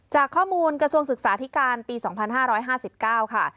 จากข้อมูลกระทรวงศึกษาธิการปี๒๕๕๙ค่ะ